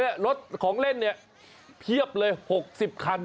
นี่รถของเล่นเพียบเลย๖๐คัน